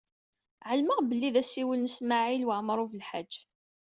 Ɛelmeɣ belli d asiwel n Smawil Waɛmaṛ U Belḥaǧ.